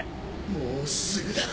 もうすぐだ。